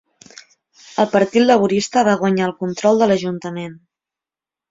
El Partit Laborista va guanyar el control de l'ajuntament.